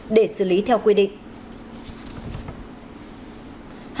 để xử lý theo quy định